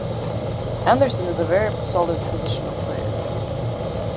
Andersson is a very solid positional player.